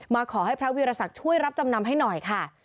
ขอให้พระวีรศักดิ์ช่วยรับจำนำให้หน่อยค่ะ